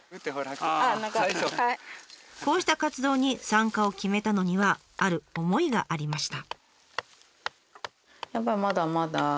こうした活動に参加を決めたのにはある思いがありました。